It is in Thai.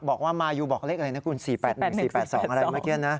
บอกว่ามายูบอกเลขอะไรนะคุณ๔๘๑๔๘๒อะไรเมื่อกี้นะ